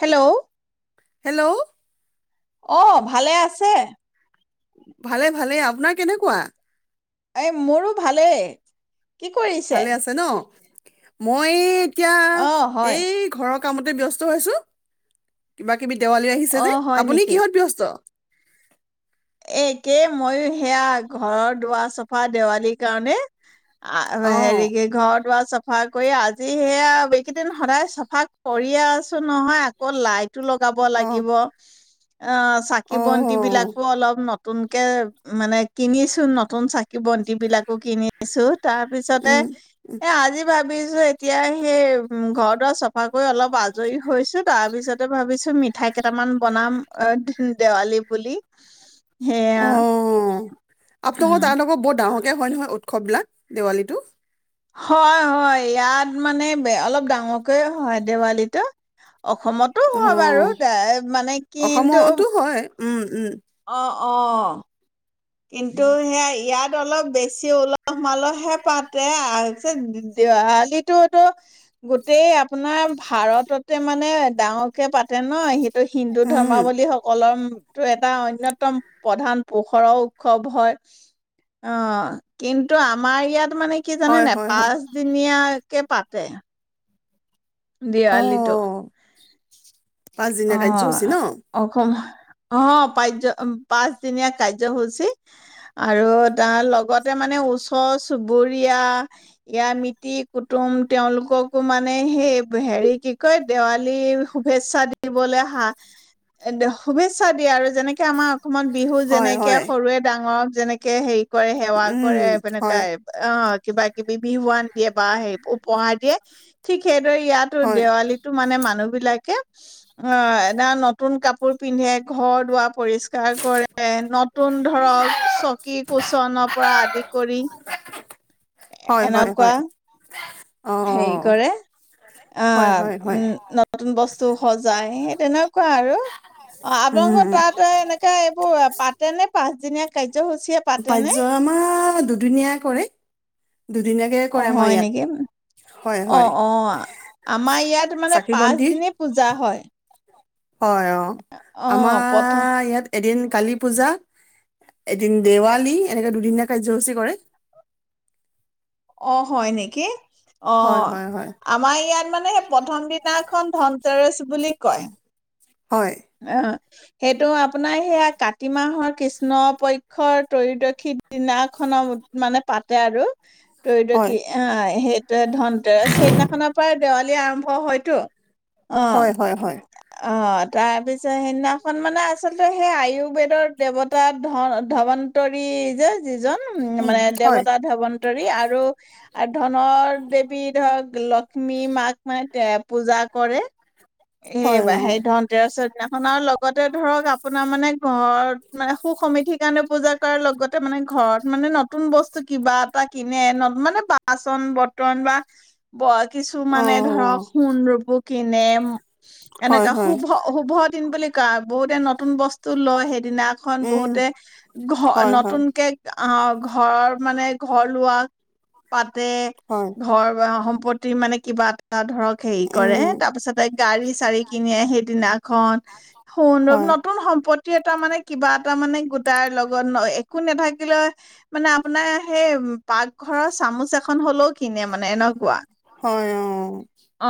Hello hello. অ' ভালে আছে? ভালে, ভালে আপোনাৰ কেনেকুৱা? এই মোৰো ভালেই। কি কৰিছে ভালে আছে ন? মই এতিয়া অ হয় এই ঘৰত কামতেই ব্যস্ত হৈ আছো। কিবা দেৱালী আহিছে অ যে হয় আপুনি কিহত ব্যস্ত? [inaudible] এ একেই মইয়ো সেয়া ঘৰৰ দুৱাৰ চফা দেৱালীৰ কাৰণে, আ অ হেৰিক ঘৰ চাফা কৰি আজি সেয়া, এইকেইদিন সদায় চাফা কৰিয়ে আছো নহয়, আকৌ লাইট টো লগাব অ লাগিব। অ' চাকি বন্তি বিলাক নতুনকে মানে, কিনিছো নতুন চাকি বন্তি বিলাকো কিনিছো। তাৰ পিছতে উম এ আজি ভাব ভাবিছো এতিয়া সেই উম, ঘৰ দোৱাৰ চফা কৰি অলপ আজৰি হৈছো, তাৰ পিছতে ভাবিছো মিঠাই কেইটামান বনাম। অ', দেৱালী বুলি। সেয়া অ', আপোনালোকৰ উম, তাৰ লগত বৰ ডাঙৰকে হয়, নহয় উ উৎসৱবিলাক দেৱালীতো হয়, হয় ইয়াত মানে অলপ ডাঙৰকে হয়, দেৱালীটো অসমতো অ হয়, বাৰু দেই মানে কিন্তু অসমতো হয় উম উম। অ', অ'। কিন্তু সেয়া ইয়াত অলপ বেছি উলহ মালহে পাতে দেৱালিতো টো গোটেই আপোনাৰ ভাৰততে মানে ডাঙৰকে পাতে ন হি ত হিন্দু উম ধৰ্মাৱল্মবীসকলৰ টো এটা অন্যতম প্ৰধান পোহৰোও উৎসৱ হয়, অ', কিন্তু আমাৰ ইয়াত মানে কি জানে নে হয় নাই হয় হয় পাঁচ দিনীয়া কে পাতে অ দেৱালীটো পাঁচদিনীয়া অ, কাৰ্যসূচী ন অকল অ পাজ্য-পাঁচদিনীয়া কাৰ্যসূচী আৰু তাৰ লগতে মানে ওচৰ-চুবুৰীয়া, ইয়া মিতিৰ-কুটুম তেওঁলোককো মানে হে- হেৰি, কি কয়- দেৱালী শুভেচ্ছা দিবলৈ হা- শুভেচ্ছা দিয়ে আৰু যেনেকে আমাৰ অসমত বিহুত হয় যেনেকে হয় সৰুৱে ডাঙৰক যেনেকে হেই কৰে সেৱা উম কৰে হয় তেনেকুৱা অ কিবা কিবি বিহুৱান দিয়ে বা, হে উপহাৰ দিয়ে ঠিক সেই [unintelligible] ইয়াতো হয় দেৱালীটো মানে মানুহ বিলাকে [unintelligible] অ এদা নতুন কাপোৰ পিন্ধে, ঘৰ দুৱাৰ পৰিষ্ কাৰ কৰে, নতুন ধৰক চকী-কোচনৰ পৰা আদি কৰি। [unintelligible] এনেকুৱা হয়-হয়-হয়। হেৰি কৰে, হয় আহ- হয় হয় উম- নতুন ব বস্তু সজাই হেই তেনেকুৱা আৰু অ, উম আপোনালোকৰ তাতে এনেকে এইবোৰ পাত তেনে পাঁচদিনীয়া কা [unintelligible] আমাৰ দুদিনীয়া কৰি। দুদিনীয়াকে কৰে আমাৰ ইয়াত। হয় হয় অ-অ, আমাৰ ইয়াত মানে চাকি পাঁচ বন্তি দিনে পূজা হয়। হয় অ, অ প্ৰথম আমাৰ ইয়াত এদিন কালী পূজা, এদিন দেৱালী, এনেকে দুদিনীয়া কাৰ্যসূচী কৰে। অ' হয় নেকি? অ, হয় হয় হয় আমাৰ ইয়াত মানে হে প্ৰথম দিনাখন ধন তেৰেছ বুলি কয়। হয় অ'অ সেইটো আপোনাৰ হেয়া কাতি মাহৰ কৃষ্ণ পক্ষৰ ত্ৰয়োদৰ্শী দিনাখনত মানে পাতে আৰু ত্ৰয়োদশী অ-এ সেইটোৱে ধনতেৰছ, হেইদিনাখনৰ পৰাই দেৱালী ৱালি আৰম্ভ হয়তো হয় হয় হয় হয় অ-অ তাৰপিছত, সেইদিনাখন মানে আচলতে হে আয়ুৰ্বেদৰ দেৱতা ধ ধৱন্তৰী যে যিজন উম মানে, দেৱতা ধৱন্তৰী আৰু ধনৰ দেৱী ধৰক ল মী মাক মানে তে পূজা কৰে হয় সেয়েবা সেই ধন তেৰ চত [unintelligible] খনৰ লগ আগতে ধৰক আপোনাৰ মানে ঘৰত নাই সু সমিতিৰ কাৰণে পূজা কৰাৰ লগত [unintelligible] মানে ঘৰত মানে ন নতুন বস্তু কিবা এটা কিনে। ন মানে বাচন বৰ্তন বা ব কিছু অ অ মানে ধৰক সোণ ৰূপ কিনেম হয় এনেকা হয় শুভ-শুভত [unintelligible] বুলি কা, বহুতে নতুন বস্তু লয় হে দিনাখন উম বহুতে ঘ হয় হয় নতুনকে অ ঘৰৰ মানে ঘৰ লোৱা, পাত তে, হয় ঘৰ বয়া হোম প্ৰতি মানে কিবা তাত ধৰক হেৰি কৰে। উম তাৰ পিছত তাইক দুই চাৰি কিনিয়ে সেইদিনাখন ফোনত হয় নতুন [inaudible] প্ৰতি এটা মানে, কিবা এটা মানে গোটাৰ লগত ন একো নেথাকিলে। মানে আপোনাৰ সেই পাকঘৰৰ চামুচ এখন হলেও কিনে মানে এনেকুৱা। হয় অ অ।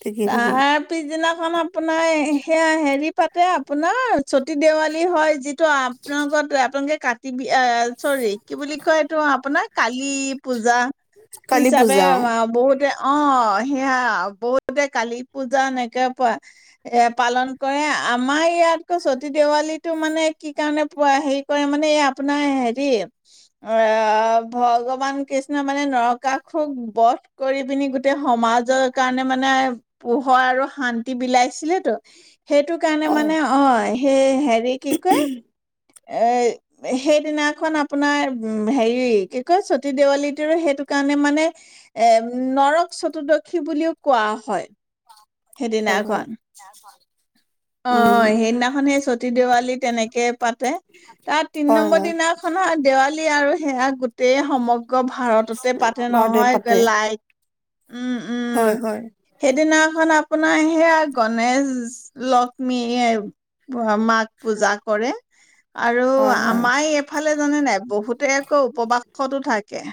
ঠিকেই ঠিকেই তাৰ পিছদিনা খন আপোনাৰ সেয়া হেৰি পাতে আপোনাৰ চতী দেৱালী হয়, যি তো আপোনা ওপৰত [unintelligible] কাটি বি এ চৰি কি বুলি কয়, এইটো আপোনাক কালি পূজা কালী হিচাপে পূজা অ', বহুতে অ', সেয়া বহুতে কালী পূজা এনেকে প এ পালন কৰে। আমাৰ ইয়াতকৈ চতী দেৱালীটো মানে কি কাৰণে পুৱা হেৰি কৰে মানে। এই আপোনাৰ হেৰি, অ', ভগৱান কৃষ্ণ মানে নৰকাসুক বধ কৰি পিনি গোটেই সমাজৰ কাৰণে মানে, পোহৰ আৰু শান্তি বিলাইছিলে তো সেইটো কাৰণে হয় মানে অ', সেই হেৰি কি কয়। এ, সেইদিনাখন আপোনাৰ উম, হেৰি কি কয় চতী দেৱালীটোৰ সেইটো কাৰণে মানে, এ নৰক চতুৰ্দশী বুলিও কোৱা হয়। হয় হয়। সেইদিনাখন উম অ', সেইদিনাখনহে সতীদেউ ছোৱালী তেনেকে পাতে, তাৰ তিন হয় নম্বৰ হয় দিনাখন দেৱালী [inaudible] আৰু সেয়া গোটেই সমগ্ গ ভাৰততে পাতে বাৰডে নহয় পাতে [unintelligible] উম-উম হয় হয় সেইদিনাখন আ আপোনাৰ হেয়া গণেশ লখমি য়ে অ', মাক পূজা কৰে। আৰু, হয় হয় আমাই এইফালে জানে নাই বহুতে আকৌ উপবাসতো থাকে।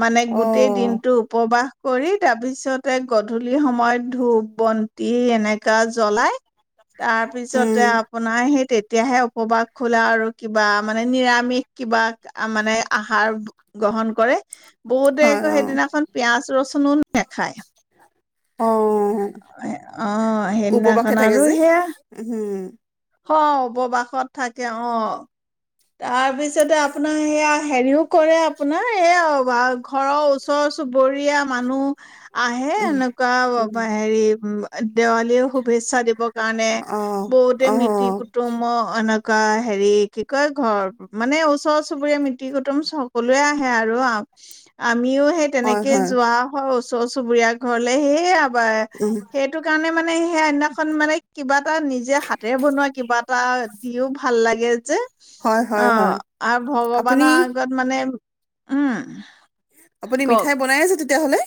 মানে অ গোটেই দিনটো উপবাস কৰি তাৰপিছতে গধূলি সময়ত ধূপ-বন্তি এনেকা জ্বলাই তাৰপিছতে উম আপোনাৰ হেই তে তেতিয়াহে উপবাস খোলা আৰু কিবা মানে নিৰামিষ কিবা মানে আহাৰ গ্ৰহণ কৰে। বহুতে হয় আকৌ অ সেইদিনাখন পিয়াজ ৰচুনো নেখায়। অ', অ- অ, উপবাসে হেইদিনাখন থাকে আৰু যে সেয়া উম হঅ, উপবাসত থাকে অ, তাৰপিছতে আপোনাৰ সেয়া হেৰিও কৰে আপোনাৰ, এইয়া ব ঘৰৰ ওচৰ চুবুৰীয়া মানুহ আহে উম এনেকুৱা উম ৱ হেৰি ব দেৱালীও শুভেচ্ছা দি ব কাৰণে, অ বহুতে অ মিতি কুটুম [inaudible] কা হেৰি কি কৈ ঘৰ মানে ওচৰ চুবুৰীয়া, মিতিৰ কুটুম চকলোৱে আহে আৰু-আ আমিও হে হয় তেনেকে হয় যোৱা হয়, উচ ওচৰ চুবুৰীয়াৰ ঘৰলে সেই বা, উম সেইটো কাৰণে মানে মানে সেই আইনাখন মানে কিবা এটা নিজে হাতেৰে বনোৱা কিবা এটা দিও ভাল লাগে যে। হয় হয় অ', হয় আৰু আপুনি ভগৱানৰ আগত মানে উম। আপুনি কওক মিঠাই বনাই আছে তেতিয়াহ'লে?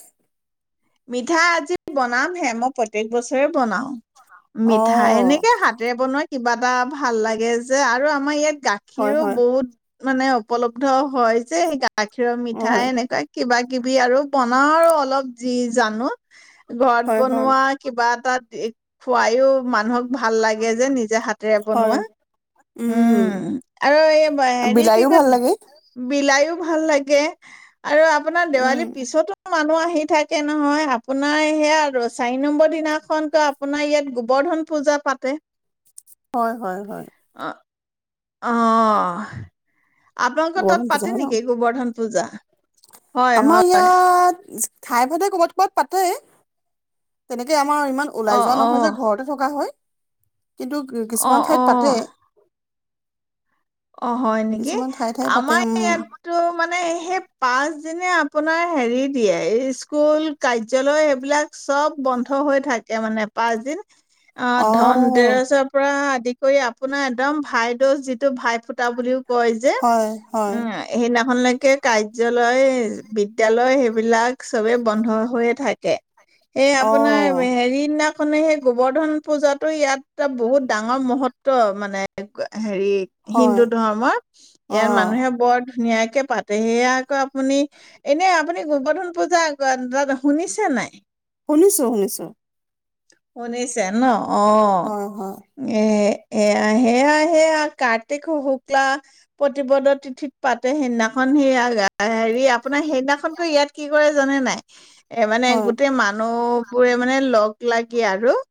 মিঠাই আজি বনামহে, মই প্ৰত্যেক বছৰে বনাও অ মিঠাই এনেকে হাতেৰে বনোৱা কিবা এটা ভাল লাগে যে আৰু আমাৰ ইয়াত হয় গাখীৰো হয় বহুত মানে উপলব্ধ হয় যে সেইকা গাখীৰৰ মিঠাই হয় এনেকুৱা কিবা কিবি আৰু পনা আৰু অলপ যি জানক ঘৰত হয় হয় বনোৱা কিবা এটাত এ খোৱায়ো মানুহক ভাল লাগে যে নিজে হাতেৰে হয় বনোৱা, উম আৰু এই ব হেৰি কি বিলাইও কয় ভাল লাগে বিলায়ো ভাল লাগে। আৰু আপোনাৰ উম দেৱালীৰ পিছতো মানুহ আহে। সি থাক তাকে নহয় আপোনাৰ সেয়া আৰু চাৰি নম্বৰ দিনাখনতো আপোনাৰ ইয়াত গোবৰ্ধন পূজা পাতে। হয় হয় হয়। অহ আপোনালোকৰ গৰম তাত পূজা পাতে হয় ন নেকি গোবৰ্ধন পূজা হয় আমাৰ হয় ইয়াত ঠাই ভদে কবাত কবাত পাতে তেনেকে তোমাৰ ইমান অ ওলাই যোৱা অ নহয় যে ঘৰতে থকা হয়। কিন্তু অ কিছুমান ঠাইত পাতে। অ অ হয় নেকি কিছুমান ঠাই ঠাই পাতে আমাৰ উম ইয়াতটো মানে সেই পাচ যেনে আপোনাৰ হেৰি দিয়ে স্কুল কাৰ্য্যালয় সেইবিলাক চব বন্ধ হৈ থাকে মানে পাঁচ দিন। অ ধন দেৰেজৰ পৰা আ আদি কৰি আপোনাৰ একদম ভাই দোষ যিটো ভাই [unintelligible] বুলিও কয় যে হয় হয় উম সেই ন হল লৈকে কাৰ্যালয় বিদ্যালয় সেইবিলাক চবে বন্ধ হৈয়ে থাকে। এই অ আপোনাৰ হেৰি নাক খনে সেই গোবৰ্ধন পূজাতো ইয়াত ত বহুত ডাঙৰ মহত্ব মানে এ হেৰি হয় হিন্দু ধৰ্মৰ অ ইয়াৰ মানুহে বৰ ধুনীয়াক কে পাতে, সেয়া আকৌ আপুনি এনেই আপুনি গোবৰ্ধন পূজা [unintelligible] শুনিছে নাই? শুনিছোঁ। শুনিছোঁ। শুনিছে ন। অহ, হয় হয় এ হেয়া, হেয়া, হেয়া কা [unintelligible] শুক্লা প্ৰতিপদত তিথিত পাতে। সেইদিনাখন সেইয়া হেৰি আপো আপোনাৰ সেইদিনাখনকৈ ইয়াত কি কৰে জানে নাই এই মানে হয় গোটেই মানুহ বোৰে মানে লগ লাগি আৰু ও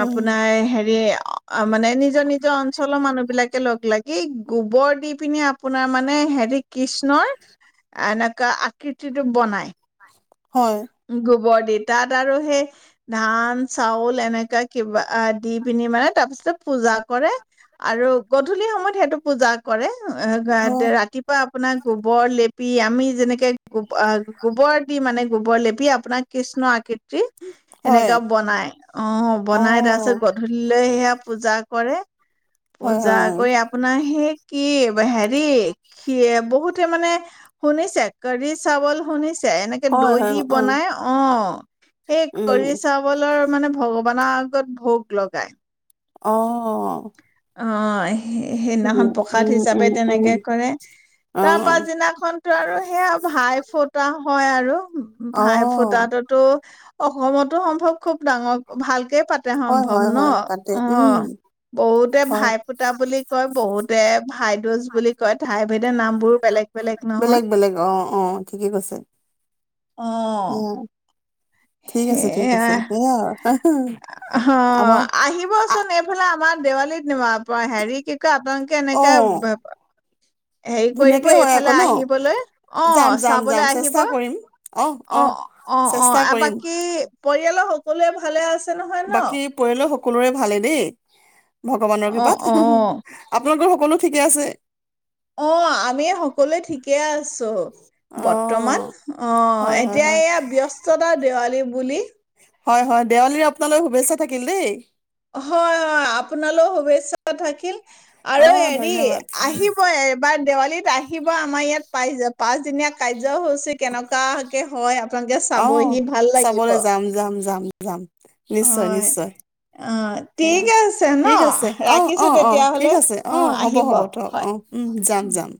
উম আপোনাৰ হেৰি অ' মানে নিজৰ নিজৰ অঞ্চলৰ মানুহ বিলাক লাগি গোবৰ দি পিনে আপোনাৰ মানে হেৰি কৃষ্ণৰ এনেকা আকৃতিটো বনায়। হয় গোবৰ [unintelligible] তাত আৰু সেই ধান, চাউল এনেকা কিবা দি পিনি মানে তাৰ পিছত পূজা কৰে আৰু গধূলি সময়ত সেইটো পূজা কৰে। অ, হয় [unintelligible] ৰাতিপুৱা আপোনাৰ গোবৰ লেপি আমি যেনেকে গোব-অহ গোবৰ দি মানে গোবৰ লে [unintelligible] আপোনাৰ কৃষ্ণ আকৃতি [unintelligible] হয় এনেকা বনায়। অ' বনাই, তাৰপিছত গধূলি লৈ সেয়া পূজা কৰে। হয় পূজা হয় কৰি আপোনাৰ সেই কি। [unintelligible] ৰি সিয়ে বহুত সেইটোৱেই মানে শুনিছে, কৰি চাৱল শুনিছ এনেকে হয় দৈ হয় দি অ বনায়, অ'। সেই উম কৰি চাবলে ৰু মানে ভগৱান [unintelligible] আগত ভোগ লগায়। অহ। নহয় সেইদিনাখন প্ৰসাদ উম হিচাপে উম উম তেনেকে কৰে, অ তাৰ পাছদিনাখন টো আৰু সেয়া ভাই ফুটা হয় আ হেল্ল'। অ ভাই ফুটাততো অসমতো সম্ভৱ খুব ডাঙৰ ভাল। তেই পাতে হয় সম্ভৱ হয় ন' হয় পাতে উম অ', বহুত তে, হয় ভাই ফোটা বুলি কয় বহুতে ভাইদুজ বুলি কয় ঠাই ভেদে নাম বোৰ বেলেগ বেলেগ নহয়। বেলেগ অ অ', ঠিকে কৈছে। অ'। সেয়া ঠিক আছে, ঠিক সেয়া আছে সেয়া আৰু। অ', আ- আহিবচোন এইফালে আমাৰ দেৱালীত নিমাম। হেৰি কি কয় আপোনালোকে অ এনেকে হেৰি কৰিব ধুনীয়াকে হয় এইফালে আকৌ ন আহিবলৈ যাম অ', যাম যাম চাবলৈ আহিব। চেষ্টা অ', কৰিম অহ অহ অ', অ', অ', চেষ্টা আৰু কৰিম বাকী পৰিয়ালৰ হ কলোৱে ভালে আছ বাকী পৰিয়ালৰ সক সকলোৰে ভালে দেই। ভগৱানৰ অ', কৃপাত অ', আপোনালোকৰ সকলো ঠিকে আছে। অ', আমি সকলোৱে ঠিকে আছো অ বৰ্তমান অ', হয় হয় এতিয়া হয় এয়া ব্যস্ততা দেৱালী বুলি হয়, হয় দেৱালীৰ আপোনালৈ শুভেচ্ছা থাকিল দেই। হয়, হয় আপোনালৈও শুভেচ্ছা থাকিল। অ আৰু হেৰি ধন্যবাদ আহিব এইবাৰ দেৱালী লীত আহিব আমাৰ ইয়াত পাই য পাঁচদিনীয়া কাজ য, হৈছে কেনেকুৱাকে হয় আপোনালোকে অ চাবহি ভাল লাগিব। চাবলৈ যাম যাম যাম যাম। নিশ্চয় হয়, নিশ্চয় অ ঠিক সেয়া আছে ন ঠিক আছে অ', ৰাখিছো অ', অ', ঠিক তেতিয়াহ'লে আছে অ', হ'ব আহিব হ'ব থক হয় অ', উম, যাম, যাম।